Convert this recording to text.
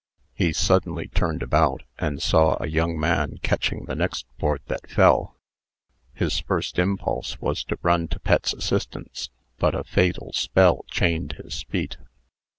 He suddenly turned about, and saw a young man catching the next board that fell. His first impulse was to run to Pet's assistance; but a fatal spell chained his feet.